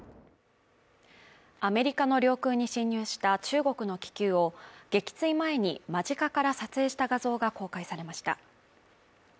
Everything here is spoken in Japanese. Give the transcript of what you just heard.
アメリカの領空に侵入した中国の気球を撃墜前に、間近から撮影した画像が公開されました。